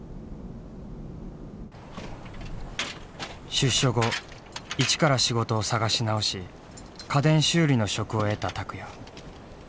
出所後一から仕事を探し直し家電修理の職を得た拓也。